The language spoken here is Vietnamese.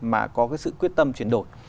mà có cái sự quyết tâm chuyển đổi